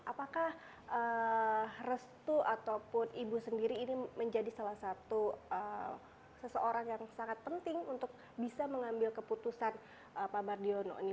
apakah restu ataupun ibu sendiri ini menjadi salah satu seseorang yang sangat penting untuk bisa mengambil keputusan pak mardiono ini